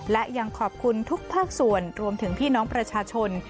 และยังขอบคุณทุกภาคส่วนรวมถึงพี่น้องประชาชน